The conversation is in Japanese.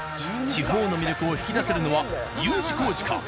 地方の魅力を引き出せるのはＵ字工事か？